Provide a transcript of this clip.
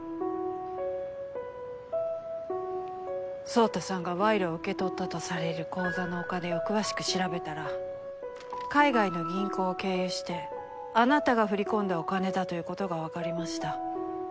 宗太さんが賄賂を受け取ったとされる口座のお金を詳しく調べたら海外の銀行を経由してあなたが振り込んだお金だということがわかりました。